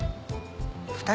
２人？